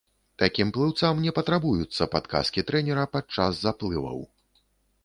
Такім плыўцам не патрабуюцца падказкі трэнера падчас заплываў.